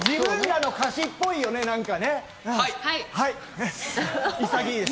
自分らの歌詞っぽいよね、なんか。